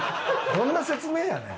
どんな説明やねん。